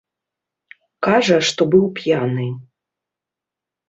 Кажа, што быў п'яны.